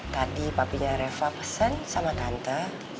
tadi papinya reva pesen sama tante